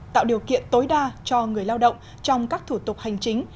tạo điều kiện tối đa cho người lao động trong các thủ tục hành chính